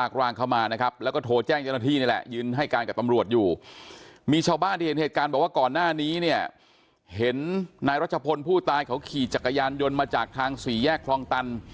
ชาวบ้านที่เห็นเหตุการณ์บอกว่าก่อนหน้านี้เนี่ยเห็นนายรัชพลผู้ตายเขาขี่จักรยานยนต์มาจากทางสี่แยกคลองตัน